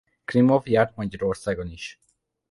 Klimov járt Magyarországon is.